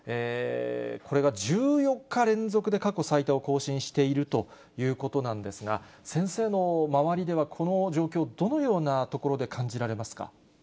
これが１４日連続で過去最多を更新しているということなんですが、先生の周りでは、この状況、どのようなところで感じられますか？